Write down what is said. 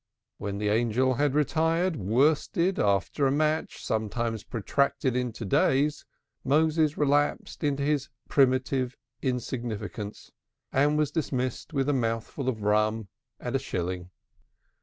When the angel had retired, worsted, after a match sometimes protracted into days, Moses relapsed into his primitive insignificance, and was dismissed with a mouthful of rum and a shilling.